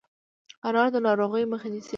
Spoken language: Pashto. انار د ناروغیو مخه نیسي.